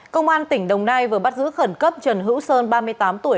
công an tỉnh đồng nai vừa bắt giữ khẩn cấp trần hữu sơn ba mươi tám tuổi